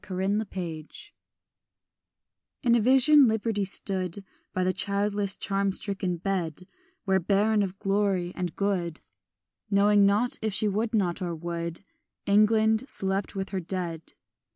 PERINDE AC CADAVER IN a vision Liberty stood By the childless charm stricken bed Where, barren of glory and good, Knowing nought if she would not or would, England slept with her dead.